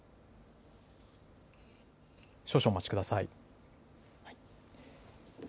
少々お待ちください。